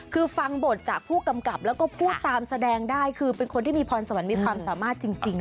คือฟังบทจากผู้กำกับแล้วก็พูดตามแสดงได้คือเป็นคนที่มีพรสวรรค์มีความสามารถจริง